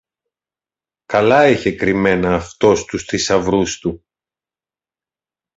Καλά είχε κρυμμένα αυτός τους θησαυρούς του!